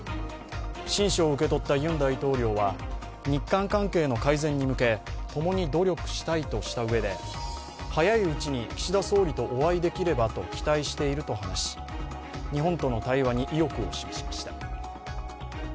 親書を受け取ったユン大統領は日韓関係の改善に向け、共に努力したいとしたうえで早いうちに岸田総理とお会いできればと期待していると話し、日本との対話に意欲を示しました。